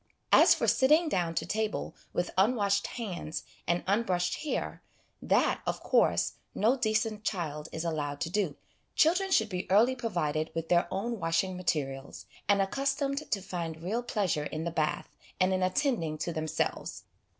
As for sitting down to table with unwashed hands and unbrushed hair, that, of course, no decent child is allowed to do. Children should be early provided w : th their own washing materials, and accustomed to find real pleasure in the bath, and in attending to themselves.